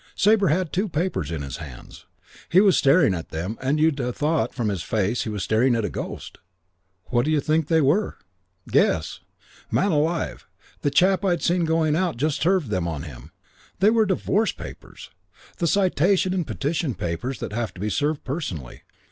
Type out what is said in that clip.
"Sabre had two papers in his hands. He was staring at them and you'd ha' thought from his face he was staring at a ghost. What d'you think they were? Guess. Man alive, the chap I'd seen going out had just served them on him. They were divorce papers. The citation and petition papers that have to be served personally.